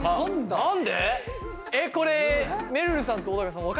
何で！？